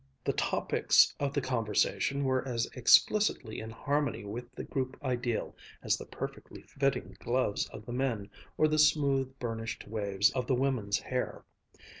The topics of the conversation were as explicitly in harmony with the group ideal as the perfectly fitting gloves of the men, or the smooth, burnished waves of the women's hair.